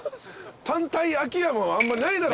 単体秋山はあんまないだろ。